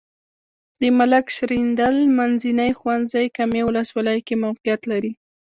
د ملک شیریندل منځنی ښونځی کامې ولسوالۍ کې موقعیت لري.